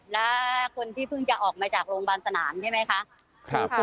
แล้วคนที่พหึงจะออกมาจากโรงพยายามศาลใช่มั้ยค่ะ